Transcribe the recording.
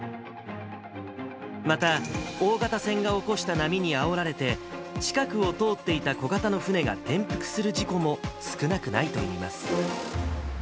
また、大型船が起こした波にあおられて、近くを通っていた小型の船が転覆する事故も少なくないといいます。